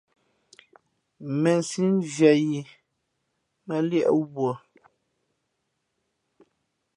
Mēnsī , mviāt yī mά liēʼ wuᾱ.